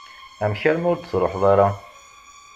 Amek armi ur d-truḥeḍ ara?